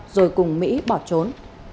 rồi cùng mỹ bỏ trốn